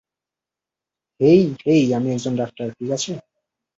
হেই, hey, আমি একজন doctor, ঠিক আছে?